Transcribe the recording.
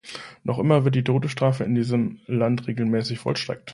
Noch immer wird die Todesstrafe in diesem Land regelmäßig vollstreckt.